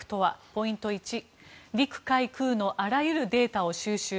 ポイント１陸海空のあらゆるデータを収集。